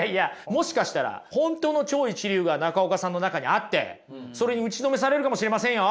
もしかしたら本当の超一流が中岡さんの中にあってそれに打ちのめされるかもしれませんよ。